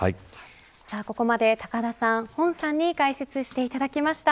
ここまで高田さん、洪さんに解説していただきました。